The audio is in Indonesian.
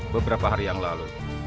beberapa hari yang lalu